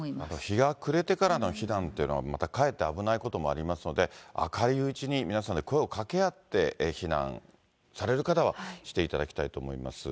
日が暮れてからの避難というのは、またかえって危ないこともありますので、明るいうちに皆さんで声をかけ合って、避難される方はしていただきたいと思います。